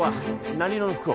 何色の服を？